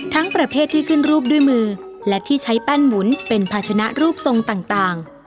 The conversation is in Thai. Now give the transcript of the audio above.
ประเภทที่ขึ้นรูปด้วยมือและที่ใช้แป้นหมุนเป็นภาชนะรูปทรงต่าง